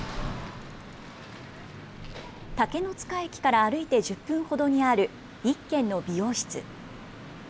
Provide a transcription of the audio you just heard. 竹ノ塚駅から歩いて１０分ほどにある１軒の美容室。